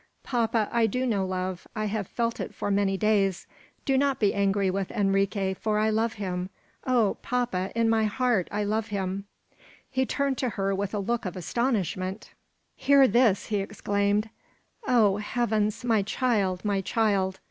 "Papa! I do know love. I have felt it for many days. Do not be angry with Enrique, for I love him; oh, papa! in my heart I love him!" He turned to her with a look of astonishment. "Hear this!" he exclaimed. "Oh, heavens! my child, my child!"